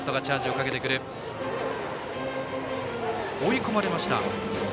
追い込まれました。